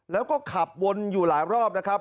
แล้วก็ขับวนอยู่หลายรอบนะครับ